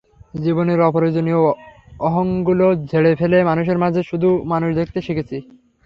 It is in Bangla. জীবনের অপ্রয়োজনীয় অহংগুলো ঝেড়ে ফেলে মানুষের মাঝে শুধু মানুষ দেখতে শিখেছি।